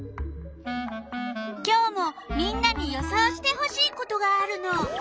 今日もみんなに予想してほしいことがあるの。